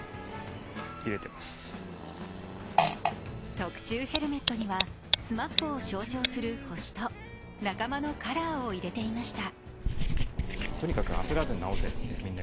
特注ヘルメットには、ＳＭＡＰを象徴する星と仲間のカラーを入れていました。